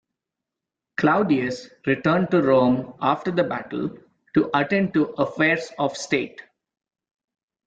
Claudius returned to Rome after the battle to attend to affairs of state.